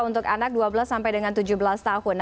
untuk anak dua belas sampai dengan tujuh belas tahun